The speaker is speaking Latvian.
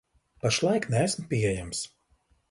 Pašlaik neesmu pieejams.